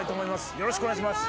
よろしくお願いします